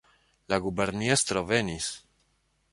La guberniestro venis!